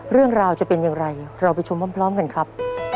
เรื่องราวจะเป็นอย่างไรเราไปชมพร้อมกันครับ